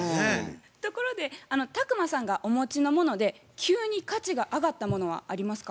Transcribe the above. ところで宅麻さんがお持ちのもので急に価値が上がったものはありますか？